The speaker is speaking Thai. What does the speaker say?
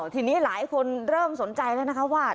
ทีนี้หลายคนเริ่มสนใจแล้วนะคะว่า